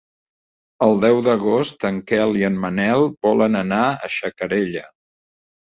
El deu d'agost en Quel i en Manel volen anar a Xacarella.